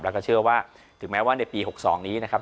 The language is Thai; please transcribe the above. แล้วก็เชื่อว่าถึงแม้ว่าในปี๖๒นี้นะครับ